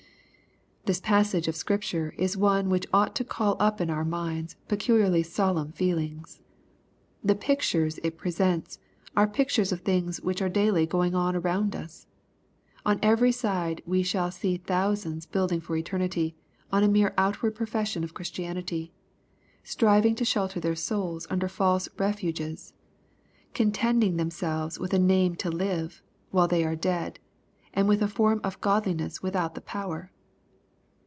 This passage of Scripture is one which ought to call up in our minds peculiarly solemn feelings. The pictures it presents, are pictures of things which are daily going on around us. On every side we shall see thousands building for eternity, on a mere outward profession of Christianity — striving to shelter their souls under false refuges — contenting themselves with a name to live, while they are dead, and with a form of godliness without the power.